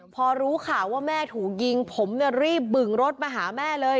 พอรู้ข่าวว่าแม่ถูกยิงผมรีบบึงรถมาหาแม่เลย